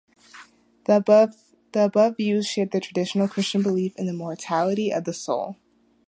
The above views share the traditional Christian belief in the immortality of the soul.